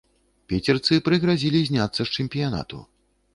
Піцерцы прыгразілі зняцца з чэмпіянату.